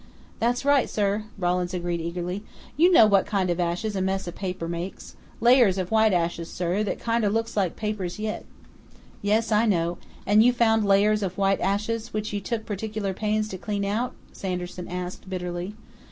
"That's right, sir," Rawlins agreed eagerly. "You know what kind of ashes a mess o' paper makes layers of white ashes, sir, that kinder looks like papers yit." "Yes, I know.... And you found layers of white ashes, which you took particular pains to clean out?" Sanderson asked bitterly.